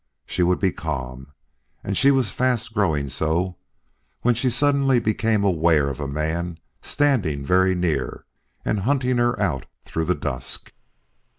She would be calm, and she was fast growing so when she suddenly became aware of a man standing very near and hunting her out through the dusk.